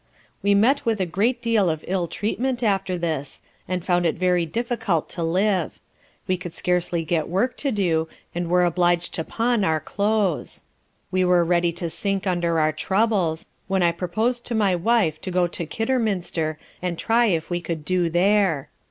We met with a great deal of ill treatment after this, and found it very difficult to live. We could scarcely get work to do, and were obliged to pawn our cloaths. We were ready to sink under our troubles. When I purposed to my wife to go to Kidderminster and try if we could do there.